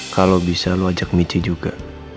kalau bisa lo ajak michi juga